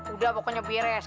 udah pokoknya beres